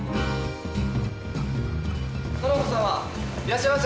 その子様いらっしゃいませ。